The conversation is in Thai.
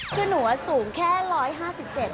คือหนูว่าสูงแค่๑๕๗นะครับ